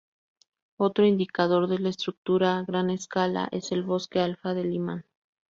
Otro indicador de la estructura a gran escala es el 'bosque alfa de Lyman'.